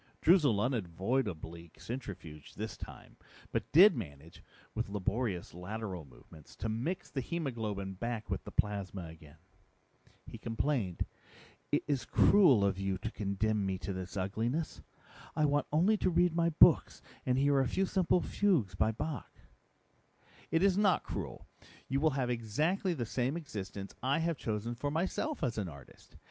Droozle unavoidably centrifuged this time, but did manage, with laborious lateral movements, to mix the hemoglobin back with the plasma again. He complained, "It is cruel of you to condemn me to this ugliness. I want only to read my books and hear a few simple fugues by Bach." "It is not cruel. You will have exactly the same existence I have chosen for myself as an artist.